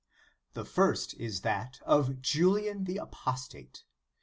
The first, is that of Julian the Apostate.